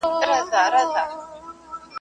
په هره تياره پسې رڼا ده.؟